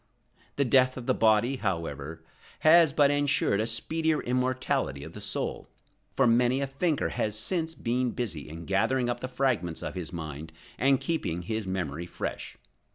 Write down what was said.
The death of the body, however, has but ensured a speedier immortality of the soul; for many a thinker has since been busy in gathering up the fragments of his mind and keeping his memory fresh.